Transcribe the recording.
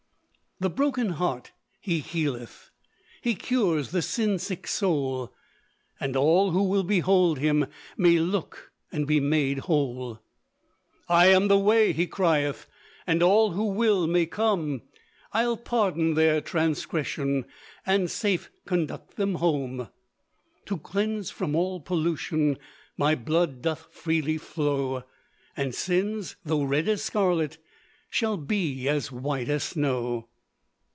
The broken heart he healeth, He cures the sin sick soul; And all who will behold him, May look and be made whole. "I am the way!" he crieth; "And all who will may come, I'll pardon their transgression, And safe conduct them home. "To cleanse from all pollution, My blood doth freely flow; And sins, though red as scarlet, Shall be as white as snow.